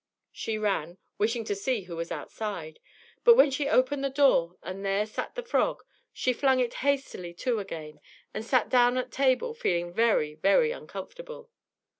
She ran, wishing to see who was outside; but when she opened the door, and there sat the frog, she flung it hastily to again, and sat down at table, feeling very, very uncomfortable.